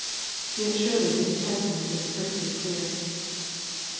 Yet surely the New Test ment is perfectly clear.